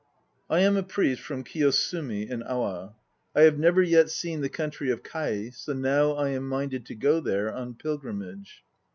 I am a priest from Kiyosumi in Awa. I have never yet seen the country of Kai, so now I am minded to go there on pilgrimage.